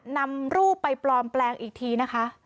นำรูปไปปลอมแปลงอีกทีนะคะ